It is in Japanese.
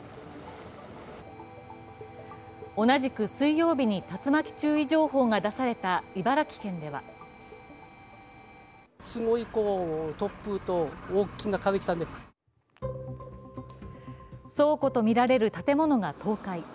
同じく水曜日に竜巻注意情報が出された茨城県では倉庫とみられる建物が倒壊。